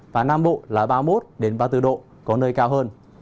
và nam bộ là ba mươi một ba mươi bốn độ có nơi cao hơn